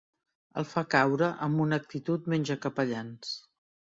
El fa caure amb una actitud menjacapellans.